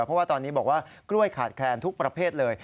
เพราะว่าตอนนี้บอกว่ากล้วยขาดแคลนทุกประเภทเลย